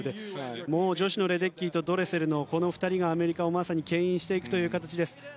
女子のレデッキーとドレセルの２人がアメリカをまさに牽引していくという形です。